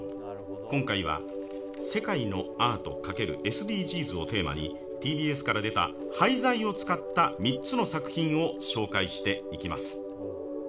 今回は世界のアート×ＳＤＧｓをテーマに、ＴＢＳから出た廃材を使った３つの作品を紹介していきます。